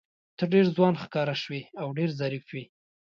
ته ډېر ځوان ښکاره شوې او ډېر ظریف وې.